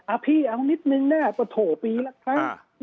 อ้าวพี่เอานิดนึงน่ะโถบีละครั้ง